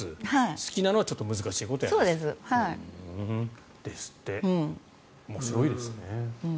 好きなのはちょっと難しいことをさせる。ですって。面白いですね。